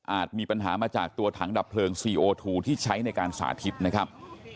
มีปัญหามาจากตัวถังดับเพลิงซีโอทูที่ใช้ในการสาธิตนะครับ